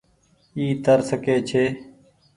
اي تر سڪي ڇي۔